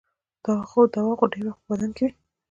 دوا خو ډېر وخت په بدن کې وي.